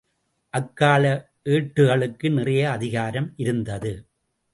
அக்கால ஏட்டுகளுக்கு நிறைய அதிகாரம் இருந்தது.